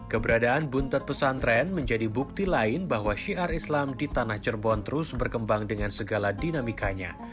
keberadaan bunter pesantren menjadi bukti lain bahwa syiar islam di tanah cerbon terus berkembang dengan segala dinamikanya